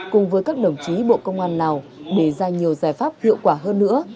cùng với các đồng chí bộ công an lào đề ra nhiều giải pháp hiệu quả hơn nữa